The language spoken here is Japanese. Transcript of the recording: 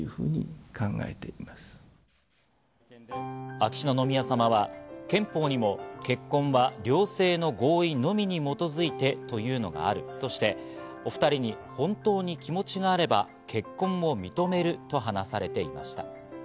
秋篠宮さまは、憲法にも結婚は両性の合意のみに基づいてというのがあるとして、お２人に本当に気持ちがあれば結婚を認めると話されていました。